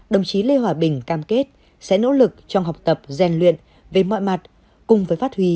đồng chí lê hòa bình cam kết sẽ nỗ lực trong học tập rèn luyện về mọi mặt cùng với phát huy